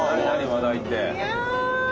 話題って。